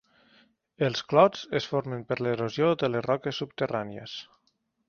Els clots es formen per l'erosió de les roques subterrànies.